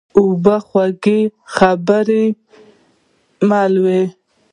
اوبه د خوږو خبرو مل وي.